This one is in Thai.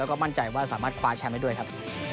แล้วก็มั่นใจว่าสามารถคว้าแชมป์ได้ด้วยครับ